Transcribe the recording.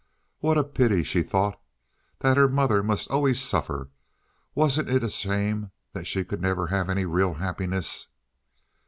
"What a pity," she thought, "that her mother must always suffer! Wasn't it a shame that she could never have any real happiness?"